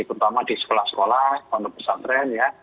terutama di sekolah sekolah pondok pesantren ya